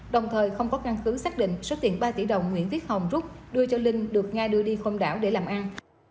đồng thời không có căn cứ xác định số tiền ba tỷ đồng nguyễn tiết hồng rút đưa cho linh được nga đưa đi khôn đảo để làm an